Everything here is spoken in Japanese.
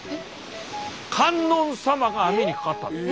観音様が網にかかったんです。